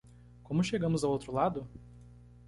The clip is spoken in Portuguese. Como chegamos ao outro lado?